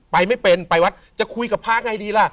ไม่เป็นไปวัดจะคุยกับพระไงดีล่ะ